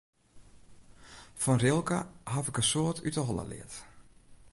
Fan Rilke haw ik in soad út de holle leard.